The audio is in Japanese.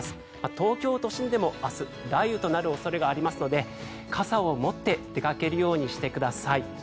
東京都心でも明日雷雨となる恐れがありますので傘を持って出かけるようにしてください。